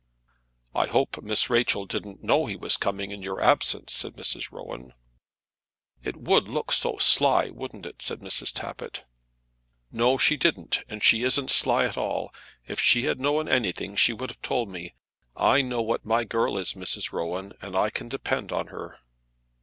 "I hope Miss Rachel didn't know he was coming in your absence," said Mrs. Rowan. "It would look so sly; wouldn't it?" said Mrs. Tappitt. "No, she didn't, and she isn't sly at all. If she had known anything she would have told me. I know what my girl is, Mrs. Rowan, and I can depend on her."